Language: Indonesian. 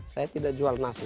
saya tidak jual nasi